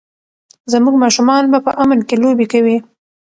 زموږ ماشومان به په امن کې لوبې کوي.